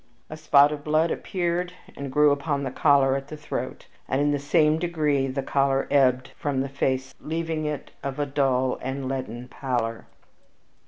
A spot of blood appeared and grew upon the collar at the throat, and in the same degree the color ebbed from the face, leaving it of a dull and leaden pallor.